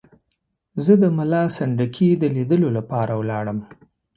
زه د ملا سنډکي د لیدلو لپاره ولاړم.